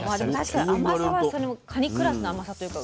確かに甘さはそのカニクラスの甘さというか。